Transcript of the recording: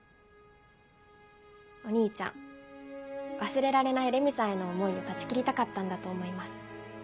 お兄ちゃん忘れられない麗美さんへの思いを断ち切りたかったんだと思います。